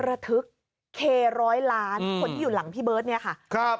ระทึกเคร้อยล้านคนที่อยู่หลังพี่เบิร์ตเนี่ยค่ะครับ